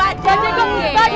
pak jenggot pak jenggot